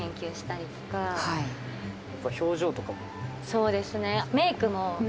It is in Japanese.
そうですね。